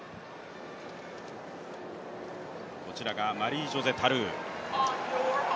こちらがマリージョセ・タルー。